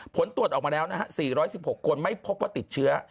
ผลตรวจออกมาแล้วนะฮะ๔๑๖คนไม่พบว่าติดเชื้อ